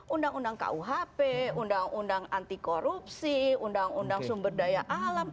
undang undang kuhp undang undang anti korupsi undang undang sumber daya alam